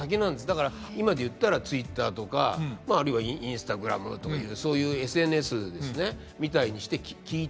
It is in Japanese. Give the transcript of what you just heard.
だから今で言ったらツイッターとかあるいはインスタグラムとかいうそういうＳＮＳですねみたいにして聞いてると。